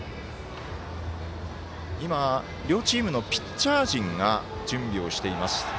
両チームのピッチャー陣が準備をしています。